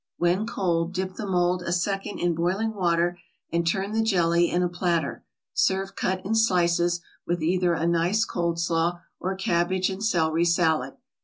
When cold, dip the mold a second in boiling water, and turn the jelly in a platter. Serve cut in slices, with either a nice cold slaw, or cabbage and celery salad.